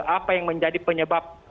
apa yang menjadi penyebab